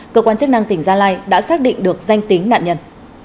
cơ quan chức năng tỉnh gia lai đã xác định được danh tính nạn nhân